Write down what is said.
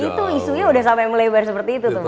itu isunya udah sampai melebar seperti itu tuh